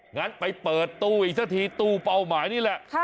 งั้นไปเปิดตู้อีกสักทีตู้เป้าหมายนี่แหละ